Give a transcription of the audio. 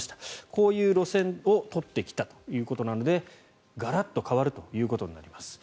こういう路線を取ってきたということなのでガラッと変わるということになります。